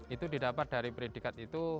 itu didapat dari predikat itu